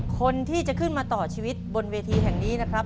คนที่จะขึ้นมาต่อชีวิตบนเวทีแห่งนี้นะครับ